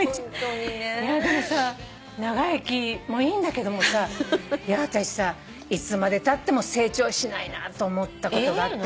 でもさ長生きもいいんだけども私いつまでたっても成長しないなと思ったことがあってさ。